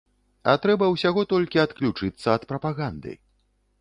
А трэба ўсяго толькі адключыцца ад прапаганды.